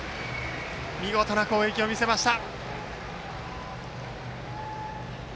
見事な攻撃を見せました。